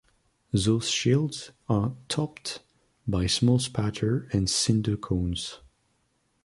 Those shields are topped by small spatter and cinder cones.